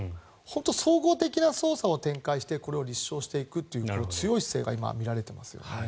総合的な捜査を展開してこれを立証していくという強い姿勢が今、見られていますよね。